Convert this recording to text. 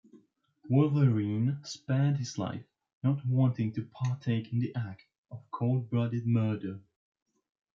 Wolverine spared his life, not wanting to partake in the act of cold-blooded murder.